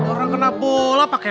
orang kena bola pakai